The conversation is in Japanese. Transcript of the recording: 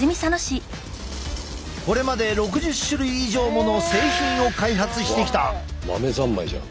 これまで６０種類以上もの製品を開発してきた。